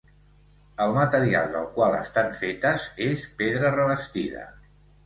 El material del qual estan fetes és pedra revestida.